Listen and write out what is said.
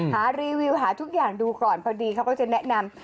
หารีวิวหาทุกอย่างดูก่อนพอดีเขาก็จะแนะนำ